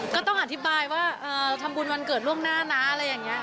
ก็ต้องอธิบายว่าทำบุญวันเกิดล่วงหน้านะอะไรอย่างนี้